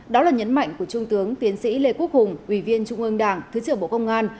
đó là nhấn mạnh của trung tướng tiến sĩ lê quốc hùng ủy viên trung ương đảng thứ trưởng bộ công an